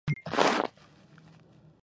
جمال خان ولې دومره زر باور وکړ؟